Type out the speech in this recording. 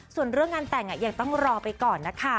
ส่วนเรื่องงานแต่งยังต้องรอไปก่อนนะคะ